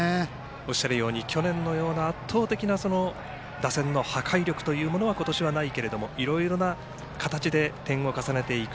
おっしゃるように去年のような圧倒的な打線の破壊力というものは今年はないけれどもいろいろな形で点を重ねていく。